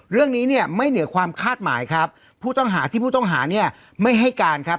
เรื่องนี้เนี่ยไม่เหนือความคาดหมายครับผู้ต้องหาที่ผู้ต้องหาเนี่ยไม่ให้การครับ